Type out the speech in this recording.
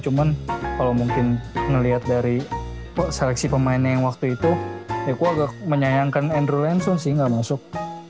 cuman kalo mungkin ngeliat dari seleksi pemainnya yang waktu itu ya gue agak menyayangkan andrew lansone sih gak masuk